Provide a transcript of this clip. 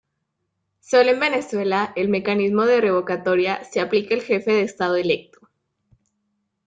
Solo en Venezuela el mecanismo de revocatoria se aplica al jefe de estado electo.